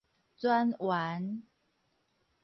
全員